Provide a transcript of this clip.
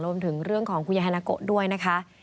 รวมถึงเรื่องของคุณยายฮานาโกะด้วยนะคะ